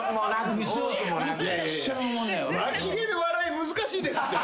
脇毛で笑い難しいですって。